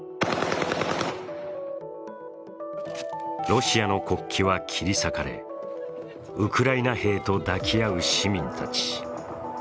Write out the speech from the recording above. ロシアの国旗は切り裂かれ、ウクライナ兵と抱き合う市民たち。